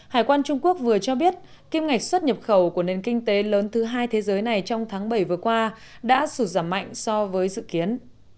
hải quan trung quốc vừa cho biết kim ngạch xuất nhập khẩu của nền kinh tế lớn thứ hai thế giới này trong tháng bảy vừa qua đã sụt giảm mạnh so với dự kiến